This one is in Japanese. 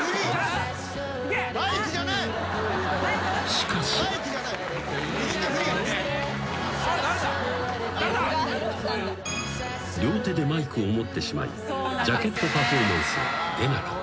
［しかし］［両手でマイクを持ってしまいジャケットパフォーマンスは出なかった］